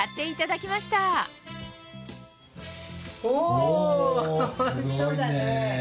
おいしそうだね。